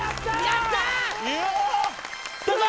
やったぞ！